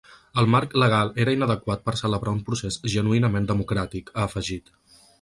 El marc legal era inadequat per celebrar un procés genuïnament democràtic, ha afegit.